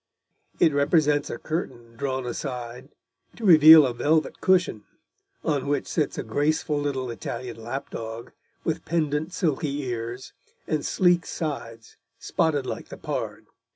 It represents a curtain drawn aside to reveal a velvet cushion, on which sits a graceful little Italian lap dog with pendant silky ears and sleek sides spotted like the pard.